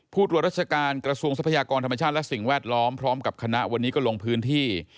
ตรวจราชการกระทรวงทรัพยากรธรรมชาติและสิ่งแวดล้อมพร้อมกับคณะวันนี้ก็ลงพื้นที่